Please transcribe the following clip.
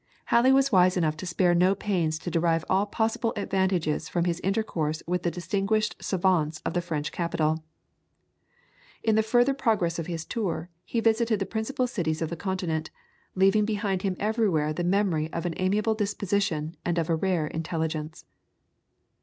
Halley was wise enough to spare no pains to derive all possible advantages from his intercourse with the distinguished savants of the French capital. In the further progress of his tour he visited the principal cities of the Continent, leaving behind him everywhere the memory of an amiable disposition and of a rare intelligence.